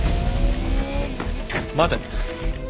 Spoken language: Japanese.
・待て。